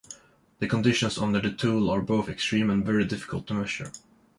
The conditions under the tool are both extreme and very difficult to measure.